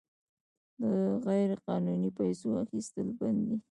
د غیرقانوني پیسو اخیستل بند دي؟